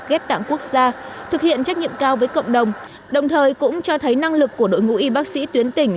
ghép tạng quốc gia thực hiện trách nhiệm cao với cộng đồng đồng thời cũng cho thấy năng lực của đội ngũ y bác sĩ tuyến tỉnh